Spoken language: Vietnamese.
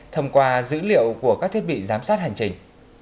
thông qua dữ liệu của các thiết bị giám sát hành trình